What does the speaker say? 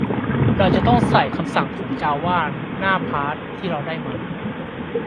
เราจะต้องใส่คำสั่งของจาวาหน้าพาธที่เราได้มา